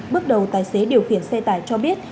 bước đầu tài xế điều khiển xe tải cho biết